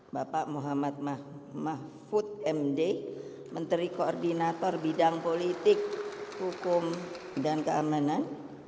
bapak muhammad mahfud md menteri koordinator bidang politik hukum dan keamanan